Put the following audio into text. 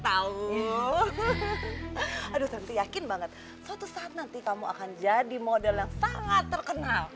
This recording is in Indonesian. tahu aduh tentu yakin banget suatu saat nanti kamu akan jadi model yang sangat terkenal